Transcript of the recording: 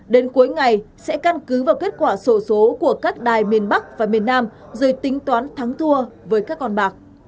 đến cuối ngày sẽ căn cứ vào kết quả sổ số của các đài miền bắc và miền nam rồi tính toán thắng thua với các con bạc